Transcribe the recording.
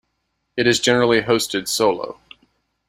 It is generally hosted solo.